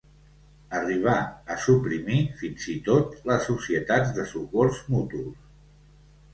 Arribà a suprimir, fins i tot, les societats de socors mutus.